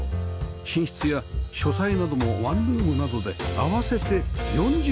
寝室や書斎などもワンルームなので合わせて４１畳